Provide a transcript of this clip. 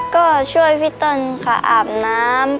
ก็ช่วยพี่เติ้ลค่ะอาบน้ำ